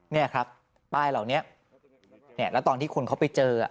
นี่ครับป้ายเหล่านี้แล้วตอนที่คุณเขาไปเจอ